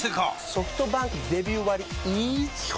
ソフトバンクデビュー割イズ基本